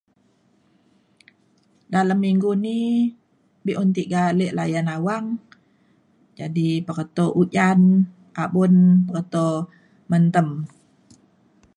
dalem minggu ni be’un tiga ale layan awang jadi peketo ujan abun peketo mentem